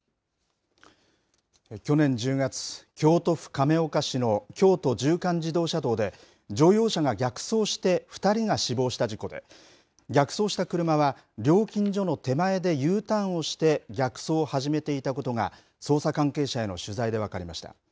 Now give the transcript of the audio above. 去年１０月、京都府亀岡市の京都縦貫自動車道で、乗用車が逆走して２人が死亡した事故で、逆走した車は、料金所の手前でＵターンをして逆走を始めていたことが、捜査関係者への取材で分かりました。